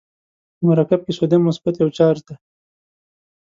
په مرکب کې سودیم مثبت یو چارج دی.